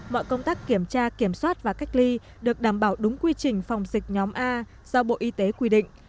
mọi công tác kiểm tra kiểm soát và cách ly được đảm bảo đúng quy trình phòng dịch nhóm a do bộ y tế quy định